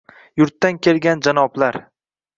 Yurtdan kelgan janoblar.